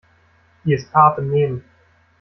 Die ist hart im Nehmen.